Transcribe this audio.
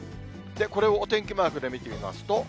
これをお天気マークで見てみますと。